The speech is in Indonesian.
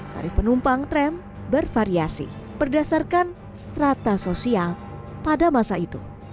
tarif penumpang tram bervariasi berdasarkan strata sosial pada masa itu